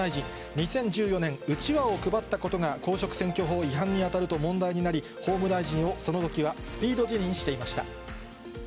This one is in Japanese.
２０１４年、うちわを配ったことが公職選挙法違反に当たると問題になり、法務大臣をそのときはスピード辞任していました。